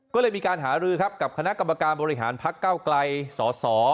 ก็เลยมีการหารือครับกับคณะกรรมการบริหารพักเก้าไกลสส